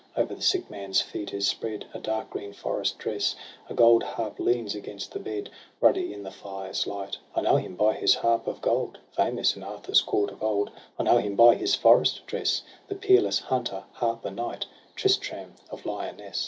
Over the sick man's feet is spread A dark green forest dress. A gold harp leans against the bed, Ruddy in the fire's light. I know him by his harp of gold. Famous in Arthur's court of old; I know him by his forest dress — The peerless hunter, harper, knight, Tristram of Lyoness.